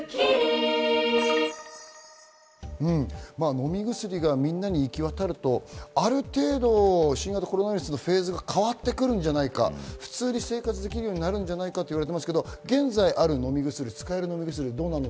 飲み薬がみんなに行き渡ると、ある程度、新型コロナウイルスのフェーズが変わってくるんじゃないか、普通に生活できるようになるんじゃないかといわれていますが現在ある飲み薬、使える飲み薬。